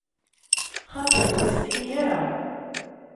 Xaṭi, ur ttsetḥi ara!